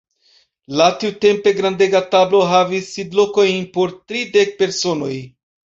La tiutempe grandega tablo havis sidlokojn por tridek personoj.